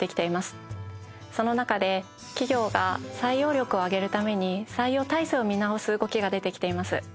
その中で企業が採用力を上げるために採用体制を見直す動きが出てきています。